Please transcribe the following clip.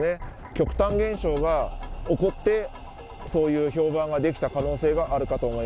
極端現象が起こってそういう氷板ができた可能性があるかと思います。